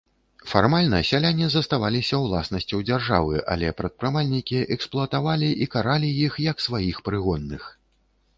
Фармальна сяляне заставаліся ўласнасцю дзяржавы, але прадпрымальнікі эксплуатавалі і каралі іх як сваіх прыгонных.